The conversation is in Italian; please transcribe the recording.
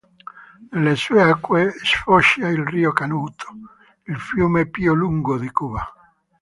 Nelle sue acque sfocia il Rio Cauto, il fiume più lungo di Cuba.